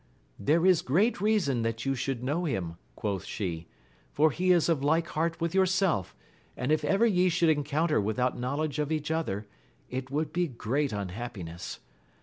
There is great reason that you should know him, quoth she, for he is of like heart with yourself, and if ever ye should encounter without knowledge of each other, it would be great unhappiness.